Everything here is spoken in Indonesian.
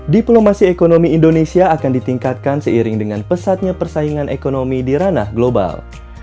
diplomasi ekonomi indonesia akan ditingkatkan seiring dengan pesatnya persaingan ekonomi di ranah global